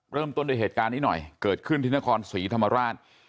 เริ่มต้นด้วยเหตุการณ์นี้หน่อยเกิดขึ้นที่นครศรีธรรมราช